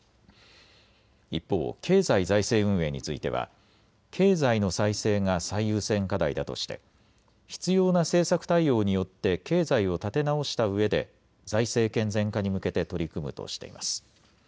一方、経済財政運営については経済の再生が最優先課題だとして必要な政策対応によって経済を立て直したうえで財政健全化に向けて取り組むとしています。